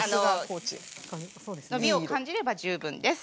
伸びを感じれば十分です。